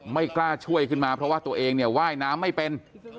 ไม่กล้าช่วยขึ้นมาเพราะว่าตัวเองเนี่ยว่ายน้ำไม่เป็น